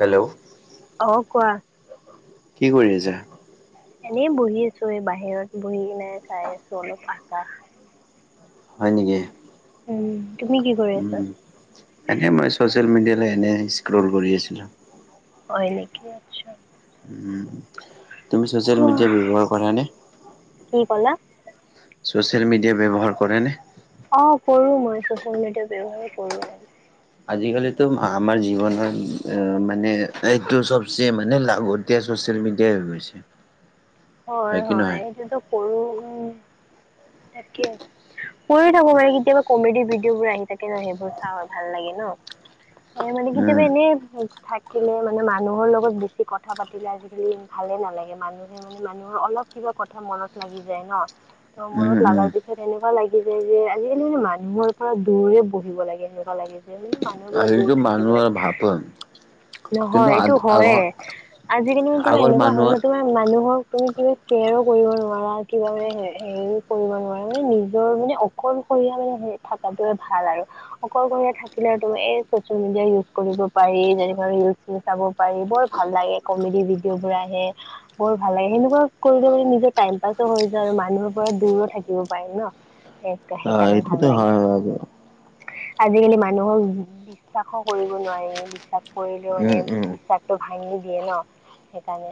Hello অ' কোৱা। কি কৰি আছা? এনেই বহি আছোঁ এই বাহিৰত বহি কিনে চাই আছোঁ অলপ আকাশ। হয় নেকি। উম। তুমি কি কৰি আছা উম, এনেই মই ছ'চিয়েল মিডিয়ালৈ এনেই স্ক্ৰল কৰি আছিলোঁ। হয় নেকি আচ্ছা। উম, তুমি ছ'চিয়েল মিডিয়া ব্যৱহাৰ কৰানে। কি ক'লা ছ'চিয়েল মিডিয়া ব্যৱহাৰ কৰে নে? অ' কৰো মই ছ' চিয়েল মিডিয়া ব্যৱহাৰ কৰো মই। আজিকালিতো অ' আমাৰ জীৱনত মানে এইটো চবচে মানে লাগতিয়া ছ'চিয়েল মিডিয়াই হৈ গৈছে। হয় কি হয় নহয় এইটোতো কৰো। তাকে, কৰি থাকো মানে কেতিয়াবা কমেডি ভিডিঅ' বোৰ আহি থাকে ন' সেইবোৰ চাওঁ ভাল লাগে ন', সেই মানে উম কেতিয়াবা এনে থাকিলে মানে মানুহৰ লগত বেছি কথা পাতিলে আজিকালি ভালে নালাগে মানুহে মানুহৰ অলপ কিবা কথা মনত লাগি যায় ন', ত' উম মনত উম লাগাৰ পিছত এনেকুৱা লাগি লাগি যায় যে আজিকালি মানে মানুহৰ পৰা দূৰেৰে বহিব লাগে এনেকুৱা লাগে। মানে মানুহবোৰৰ আৰু দূৰত এইটো থাকিব মানুহৰ লাগে। ভাব কিন্তু নহয় এইটো আগৰ হয়য়ে আজিকালি মানে তোমাৰ আগৰ এনেকুৱা হয় মানুহৰ ন তোমাৰ মানুহৰ তুমি কিবা শ্বেয়াৰো কৰিব নোৱাৰা কিবা মানে হেৰিও কৰিব নোৱাৰা মানে নিজৰ মানে অকল মানে থকাটোৱে ভাল আৰু অকলশৰীয়া থাকিলে তুমি ম এই চচিয়েল মিডিয়া ইউজ কৰিব পাৰা এই যেনে ইউটিউব চাব পাৰি বৰ ভাল লাগে, কমেডি ভিডিঅ'বিলাক আহে ব ভাল লাগে সেনেকুৱা কৰিলে ম নিজৰ টাইম পাছো হৈ যায়, আৰু মানুহৰ পৰা দূৰো থাকিব পাৰি ন। অ', সেইকাৰণে ভাল এইটোতো লাগে হয় আৰু। আজিকালি মানুহক বিশ্বাসো কৰিব নোৱাৰি বিশ্বাস কৰিলেও মানে উম বিশ্বাসটো ভাঙি দিয়ে ন সেইকাৰণে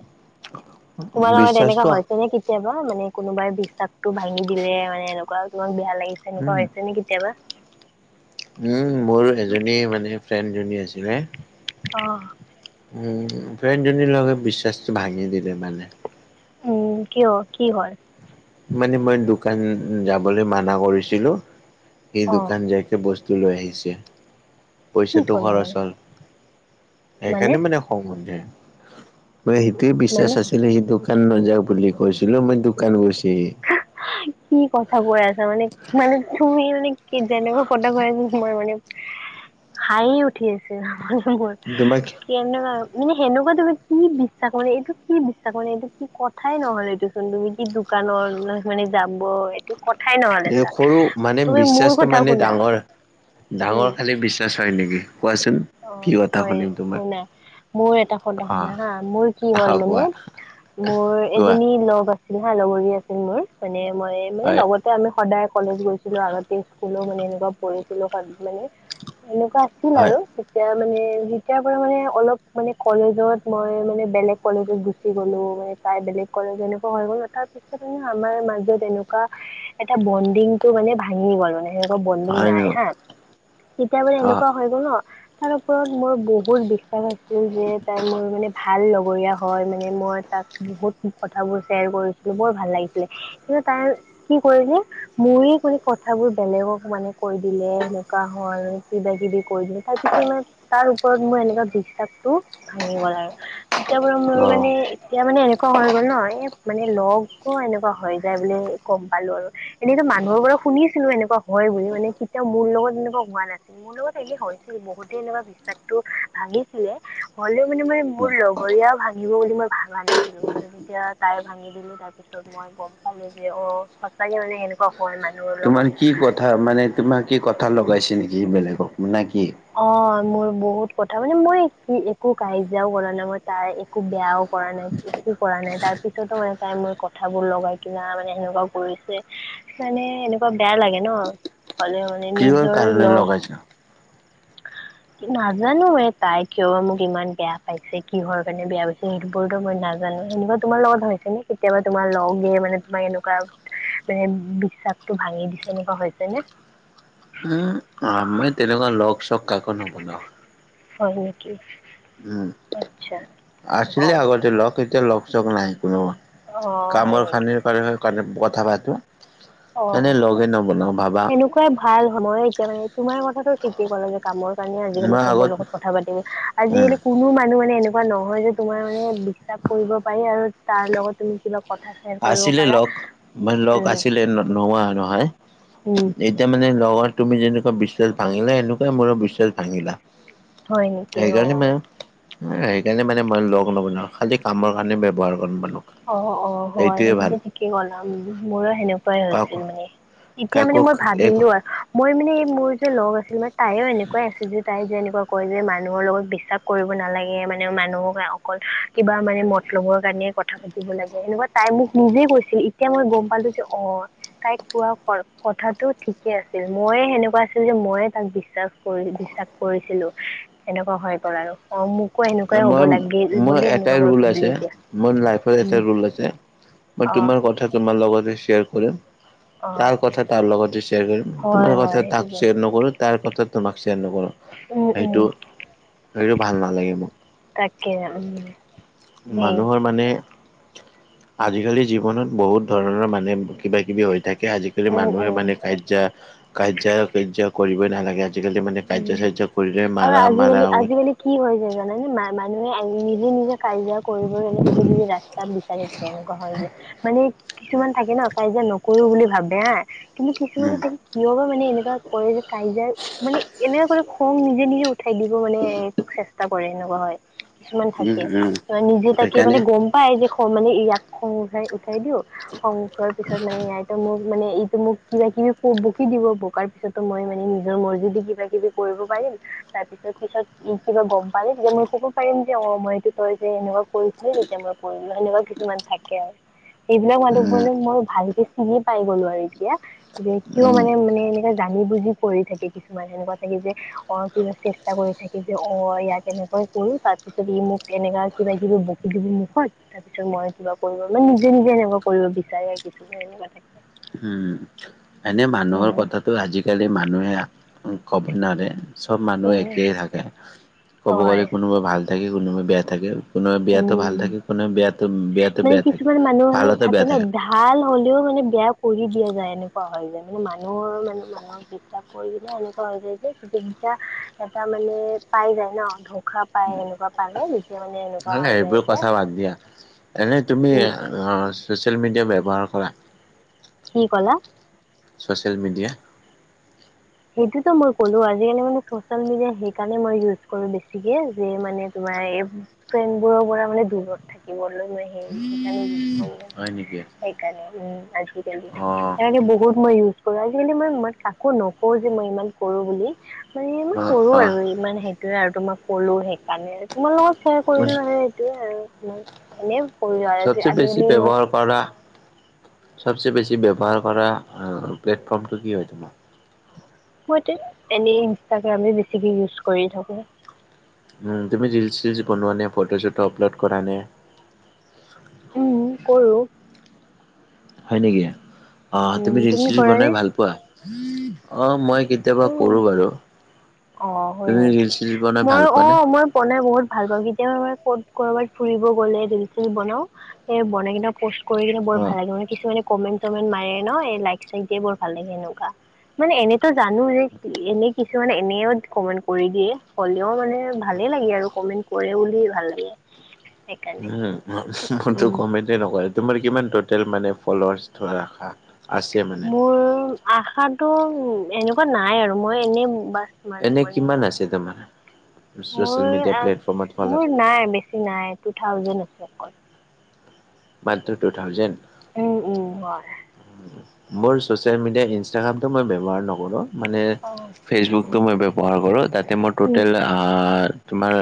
তোমাৰ লগত এনেকুৱা বিশ্বাসটো হৈছে নে কেতিয়াবা মানে কোনোবাই বিশ্বাসতটো ভাঙি দিলে মানে এনেকুৱা তোমাক বেয়া লাগিছে এনেকুৱা উম হৈছে নে কেতিয়াবা। উম, মোৰ এজনী মানে ফ্ৰেণ্ড জনী আছিলে অহ উম ফ্ৰেন্ডজনীৰ লগত বিশ্বাসটো ভাঙি দিলে মানে উম, কিয় কি হল? মানে মই দোকান যাবলৈ মানা কৰিছিলো সি অ দোকান যাইকে বস্তু লৈ আহিছে কি পইচাটো ক'লা খৰচ মানে হল সেইকাৰণে মানে খঙ উঠে সেইটোৱে মানে বিশ্বাস আছিলে সেইটো দোকান না যা বুলি কৈছিলো মই দোকান গৈছে সি কি কথা কৈ আছা মানে মানে তুমি মানে কি যেনেকুৱা কথা কৈ আছ তোমাৰ মানে হাঁহি উঠি আছিল মোৰ তোমাক কি [unintelligible] মানে সেনেকুৱা তুমি কি বিশ্বাস মানেএইটো কি বিশ্বাস মানে এইটো কি কথাই নহ'লে এইটোচোন তুমি কি দুখ দোকানৰ মানে যাব এইটো কথাই নহ'ল এই এটা সৰু, মানে তুমি মোৰ বিশ্বাচটো কথা মানে শুনা ডাঙৰ উম ডাঙৰ খালী বিশ্বাস হয় নেকি? কোৱাচোন? কি অ' কথা হয় শুনিম তোমাৰ শুনা, মোৰ এটা কথা শুনা অ', হা, মোৰ কি আহ হ'ল মানে কোৱা মোৰ কোৱা এজনী লগ আছিল সিহে লগৰী আছিল মোৰ, এনে মই মানে হয় লগতে মানে আমি সদায় কলেজ গৈছিলো আগতে স্কুলো মানে এনেকুৱা পঢ়িছিলো, মানে এনেকুৱা আছিল হয় আৰু এতিয়া মানে, যেতিয়া পৰা মানে, অলপ মানে কলেজত, মই মানে বেলেগ কলেজত গুচি গ'লো মানে, তাই বেলেগ কলেজৰ ‌এনেকুৱা হৈ গল এটা আমাৰ মাজত এনেকুৱা এটা বন্ডিং সিহঁতে মানে ভাঙি গ'ল, মানে সিহঁতৰ বন্ডিং হয় নাই ন? হা, তেতিয়া মানে অ', এনেকুৱা হৈ গ'ল ন তাৰ ওপৰত মোৰ বহুত বিশ্বাস আছিল যে, তাই মোৰ মানে ভা ভাল লগৰীয়া হয় মানে, মই তাক বহুত কথাবোৰ শ্বেয়াৰ কৰিছিলো, বৰ ভাল লাগিছিলে তাই কি কৰিলে, মোৰে কোনো কথাবোৰ বেলেগক মানে কৈ দিলে, এনেকুৱা হ'ল তাই কিবা -কিবি কৈ দিলে থাক কিছুমানে তাৰ ওপৰত মোৰ, এনেকুৱা বিশ্বাসটো ভাঙি গ'ল আৰু তেতিয়া পৰা মোৰ মানে অ'। এই এতিয়া মানে এনেকুৱা হৈ গ'ল ন, এই মানে লগবোৰ এনেকুৱা হৈ যায় বুলি গম পালো। এনে, এনে‌ মোক মানুহৰ বৰৰ শুনিছো এনেকুৱা হয় বুলি, মানে কেতিয়াও মোৰ লগত এনেকুৱা হোৱা নাছিল মোৰ লগত এনে হয় উ, বহুতে নেৰা বিশ্বাসটো ভাঙিছিলে, হ'লেও মানে, মানে মোৰ লগৰীয়া ভাঙিব বুলি মই ভাবা নাছিলো, কিন্তু যেতিয়া তাই ভাঙি দিলো তাৰ পিছত মই গম পালো যে অ, ' সঁচাকৈ মানে এনেকুৱা হ'ল মানে তোমাৰ কি কথা মানে, তোমাৰ কি কথা লগাইছিল বেলেগক না কি অ মোৰ বহুত কথা মানে, মই কি একো কাজিয়াও কৰা নাই, মই তাই একো বেয়াও কৰা নাই একো কৰা নাই তাৰ পিছতো, এই তাই মই কথাবোৰ লগাই কিবা মানে, এনেকুৱা কৰিছে মানে এনেকুৱাত বেয়া লাগে ন, হ'লেও কিহৰ নিজৰেই কাৰণে লগ লগাইছা? [inaudible] নাজানো, এই তাই কিয় মোক ইমান বেয়া পাইছে, কিহৰ কাৰণে বেয়া পাইছে, সেইটো মই নাজানোঁ অ', এনেকুৱা তোমাৰ লগত হৈছে নে কেতিয়াবা তোমাৰ লগ খিনি মানে তোমাক এনেকুৱা মানে বিশ্বাসটো ভাঙি দিছে এনেকুৱা হৈছে নে? উম, আহ মই তেনেকুৱা লগ-চগ কাকো নৱনাওঁ। হয় নেকি কি? উম, আছিলে অ', লগ। এতিয়া লগ -চগ নাই। উম, অ', হয় কামৰ নেকি খানিৰ [unintelligible] কথা পাতো। সেইকাৰণে অ', লগে নবনাও, ভাবা সেনেকুৱাই ভাল সময়ে এতিয়া মানে, তোমাৰ কথাটো ঠিকেই ক'লে যে কামৰ কাৰণে আজিকালি মই চবৰ আগত লগত কথা পাতিব। উম, আজিকালি কোনো মানুহে এনে এনেকুৱা নহয় যে, তোমাৰ মানে বিশ্বাস কৰিব পাৰি, আৰু কাৰ লগত তুমি কিবা কথা শ্বেয়াৰ কৰিব আছিলে পাৰা লগ, মানে লগ উম আছিলে নোহোৱা নহয়, উম এতিয়া মানে লগ অ 'তুমি যেনেকুৱা বিশ্বাস ভাঙিলা, এনেকুৱা মোৰো বিশ্বাস ভাঙিলা। হয় নেকি? অ। সেইকাৰণে মানে সেইকাৰণে মানে মই লগ নবোনাও, খালি কামৰ কাৰণে ব্যৱহাৰ কৰা মা অ অ হয় সেইটোতো ঠিকেই কলা উম মোৰো সেনেকুৱাই কাকো হৈছিলে। এতিয়া মানে কাকো মই এক ভাবিলো আৰু মই মানে এই মোৰ যে লগ আছিলে, তাইও এনেকুৱাই আছিল যে তাই যে এনে কয় যে, মানুহৰ লগত বিশ্বাস কৰিব নালাগে, মানে মানুহক অকল কিবা মানে মতলবৰ কাৰণে কথা পাতিব লাগে, এনেকুৱা তাই মোক নিজে কৈছিল। এতিয়াহে গম পালো যে অ তাইক কোৱা কৰ কথাতটো ঠিকে আছিল, ময়েহে হেনেকুৱা আছিলো। মইয়ে তাক বিশ্বাস কৰি বিশ্বাস কৰিছিলো। এনেকুৱা হৈ গোল আৰু অ মোক মই-মই এটাই ৰোল আছে। ভাবিলো এতিয়া মই লাইফ এটা উম ৰোল আছে। মই অ', তোমাৰ কথা তোমাৰ লগতে শ্বেয়াৰ কৰিম। অ', তাৰ কথা তাৰ লগতে শেয়াৰ কৰিম। হয়, তোমাৰ হয় কথা তাক সেইটোতো শেয়াৰ নকৰো, তাৰ কথা তোমাক নকৰো উম, উম, সেইটো-সেইটো ভাল নালাগে মোক। তাকে উম। সেই মানুহৰ মানে আজিকালি জীৱনত বহুত ধৰণৰ মানুে কিবা কিবি তাকে আজিকালি উম, মানুহে উম, মানে কাজ্যা- কাজ্যা-কাৰ্যা কৰিবই নালাগে আজিকালি মানে উ কাজিয়া চাজিয়া কৰিলে আৰু মাৰা মাৰা হয়। আজিকালি-আজিকালি কি হৈ যায় জানানে, ম-মানুহে নিজে নিজে কাজিয়া কৰিবৰ এনে কিবা কিবি ৰাস্তা বিচাৰি থাকে এনেকুৱা হয় যে। মানে কিছু মান থাকে ন কাইজা নকৰো বুলি ভাবে হা কিন্তু উম কিছুমানে থাকে কিয় বা মানে এনেকুৱা কৰে যে কাইজা এনেকুৱা কৰি খং নিজে নিজে উঠাই দিব মানে চেষ্টা কৰে এনেকুৱা হয়। কিছুমান উম থাকে। উম নিজে তাকে মানে সেইকাৰণে গম পাই যে মানে ইয়াক খ উাই-উঠাই দিও খং উঠোৱাৰ পিছত মানে ইয়াই তো মোৰ মানে এইটো মোক কিবা কিবি বকি দিব বককাৰ পিছতো মই মানে নিজৰ মৰ্জিত দি কিবা কিবি কৰিব পাৰিম। তাৰ পিছত পিছত কিবা গম পাৰিম যে মই ক'ব পাৰিম যে অ মই এইটো তই যে এনেকুৱা কৰিছিলি তেতিয়া মই কৰিলো, এনেকুৱা কিছুমান থাকে আৰু। সেইবিলাক মানুহ উম মানে মই ভালকে চিনি পাই গলো আৰু এতিয়া যে কিয় উম মানে মানে এনে জ জানি বুজি কৰি থাকে। কিছুমান সনেকোৱা থাকে যে, অ কিবা চেষ্টা কৰি থাকে যে অ ইয়াক এনেকৈ কৰো তাৰ পিছত ই মোক এনেকা কিবা কিবি বকি দিব মুখত, তাৰপিছত মই কিবা কৰিব মানে নিজে নিজে সেনেকুৱা কৰিব বিচাৰে। কিছুমান এনেকুৱা থাকে। হম এনে মানুহৰ কথাটো আজিকালি মানুহে কব নোৱাৰে। চব মানুহে একেইাই থাকে। ক'ব গ'লে কোনোবাই ভাল থাকে, কোনোবাই বেয়া থাকে। কোনোব বেয়াতে ভাল হয় থাকে। কোনোব বেয়াতে বেয়াতে মানে বেয়া থাকে কিছুমান মানুহ মানে ভালতে বেয়া ন থাকে। ভাল হ'লেও মানে বেয়া কৰি দিয়া যায় এনেক হৈ যায়। মানে মানুহৰ মান মানুহক বিশ্বাস কৰিলে এনেকুৱা হৈ যায় যে বিশ্বাস এটা মান মানে পাই যায় ন, ধোকা পায় এনেকুৱা পালে যেতিয়া মানে এনেকুৱা ন, হৈ যায় এইেইবোৰ যে কথা বাদ দিয়া, এনেই তুমি উম, চচিয়েল ম ম, ব্যৱহাৰ কৰা। কি ক'লা? Social media. [unintelligible] ম, এই, ফ্ৰেড বোৰৰ পৰা মানে দূৰত থাকিবলৈ ম, স, সেইণে হয়, নেকি। উম, আজিকালি অ', সনেকে বহুত মই ইউজ কৰো। আজিকালি মই, মই কাকো ন কওঁ যে মই ইমান কৰো বুলি মানে, মই অ', কৰো অ', আৰু ইমান সেইটোয়ে আৰু তো, মই, কলো সেইকাৰণে তোমাৰ লগত শ্বেয়াৰ কৰিলো হে, এইটোয়ে আৰু তোমাৰ এনে। কৰিলোঁ আৰু আজি চবচে বেছি আজিকালি মই ব্যৱহাৰ কৰা। চবচে বেছি ব্যৱহাৰ কৰা প্লেটফৰ্মটো কি হয়, তোমাৰ? মই এনেই ইনষ্টাগ্ৰামে বেছিকে ইউজ কৰি থাকো। তুমি ৰিলচ, চলচ বনোৱা নে, ফটো চটো আপলোড কৰা নে। উম, কৰো। হয় নেকি, অ, উম তুমি ৰিল, চল কৰা বনাই নে? ভাল পোৱা অ, মই। কেতিয়াবা উম কৰোঁ বাৰু। অ, হয়, তুমি নেকি ৰিল চিল বনাই মই ভাল পোৱা অ, নে? মই, প বহুত ভাল পাওঁ, কেতিয়া ক'ত কৰবাত ফুৰিব গ'লে বনাও স, বনাই কি কৰি কিনে বৰ ভাল অ'। লাগে, মানে কিছুমানে কমেণ্ট, চমেণ্ট মাৰে ন, এই লাইক চাইক দিয় বৰ ভাল লাগে এনেকুৱা। মানে এনেতো জানো যে, এনেই কিছু মানে এনেও কমেণ্ট কৰি দিয়ে, হ'লেও মানে ভালে লাগে আৰু কমেণ্ট কৰে উ, ভাল লাগে। সেইকাৰ নে। ম, কমেন্ত নকৰে, তোমাৰ কিমান তিতেল ফলৱাৰ ধা আছে, মানে। আশা উ, এনেকুৱা নাই আৰু মই এনেই বা এনে কিমান আছে তমাৰ মোৰ, মোৰ নাই, বেছি নাই, টু থাউজেণ্ আছে অকল। মাত্ৰ টু থাউজেণ্ড। উ, উ, হয়। মোৰ চচেল মিডিয়া, ইনাগ্ৰামটো মই বৱহাৰ নকৰো। মানে অ'। ফেচব মই ব্যৱহাৰ কৰোঁ, তাতে মই উম। টটেল তোমাৰ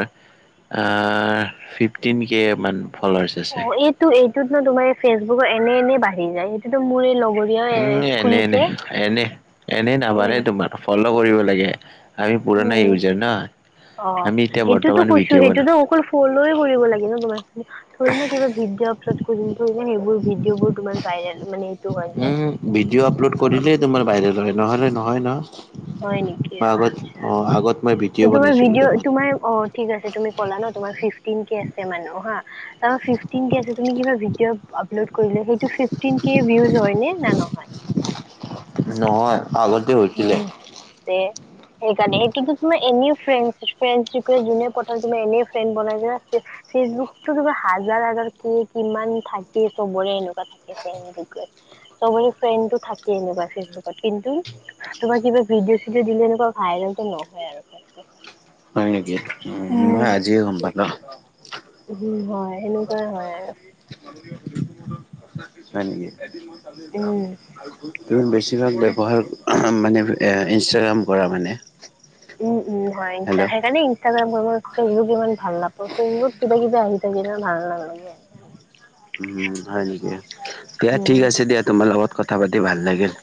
ফিফটিন কে, মান। ফল'ৱাৰ্চ অ, আছে। এইটো, এইটোত ন, তোমাৰ ফেচবুক এনে, এনে বাঢ়ি যায়। এইটোতো মো, লগ উম, এনে, এনে, এনে, এনেই নাবাৰে উম তোমাৰ ফল' কৰিব লাগে। আমি পুৰনা উম ইউজাৰ ন। অ, আমি এতিয়া সেইটোতো বৰ্তমান কৈছো, ভিডিঅ' বনাওঁ। সেইটোতো অকল ফলয় কৰিব লাগে ন, তোমাৰ ধৰি ন, কিবা ভিডিঅ থ, যেন, এইবোৰ ভিডিঅ' বোৰ তোমাৰ ভাইৰেল মানে এইটো হৈ যায়। উম, ভিডিঅ' আপলোড কৰিলেই তোমাৰ বাইৰেল হয়। নহলে, নহয়, নহ। হয় নেকি মই আগত আচ্ছা। অ, আগত মই ত, ভিডিঅ' তোমাৰ বনাইছিলোঁ ভিডিঅ' তোমাৰ অ, ঠিক আছে, তুমি কলা ন তমাৰ ফিফটিন কে আছে মানা ত ফিফ্টিন কে আছে তুমি কিবা ভিদ [unintelligible] নহয়। আগতে উ, হৈছিলে। সেইকাৰণে, সেইটোতো তোমাৰ এনে ফ্ৰ, ফ্ৰ, যোনে প, তুমি এনেই ফ্ৰেড বনাই ফেচবুকতো তমাৰ হাজ কিমান থাকে, চবৰে এনেকুৱা থাকে। চবৰে ফ্ৰেণ্ডটো থাকে, এনেকুৱা ফেচবুকত কিন্তু তোমাক কিবা ভিডিঅ' চিড দিলে এনেকুৱা ভাইৰেলটো নহয় আৰু ফেচবুকত। হয়, নেকি মই আজিয়ে গম পালো। উ, হয়, সেনেকুৱাই হয় আৰু। হয়, নেকি, উম। বেছিভাগ ব্যৱহাৰ মানে ইনষ্টাগ্ৰাম কৰা মানে। উম, উম, হয়, ইন, হেল্ল' সেইকাৰণে ইনষ্টাগ্ৰাম মই ফেচবুক ইমান ভাল নাপ, ফেচবুকত কিবা, কিবি আহি থাকে ইমান ভাল নালাগে। উ, হয়, নেকি দিয়া উম। ঠিক আছে, দিয়া তোমাৰ লগত কথা পাতি ভাল লাগিল।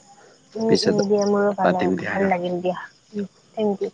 উম, উম পিছত দিয়া মোৰো ভাল, পাতিম দিয়া ভাল আৰু। লাগিল দিয়া, উ, থেংক ইউ।